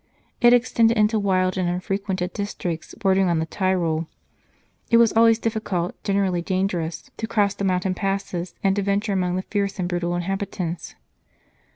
It extended into wild and unfrequented districts bordering on the Tyrol. It was always difficult, generally dangerous, to cross the mountain passes and to venture among the fierce and brutal inhabitants.